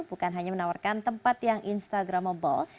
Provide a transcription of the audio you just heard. bukan hanya menawarkan tempat yang instagramable